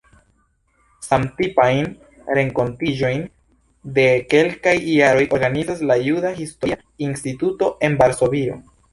Samtipajn renkontiĝojn de kelkaj jaroj organizas la Juda Historia Instituto en Varsovio.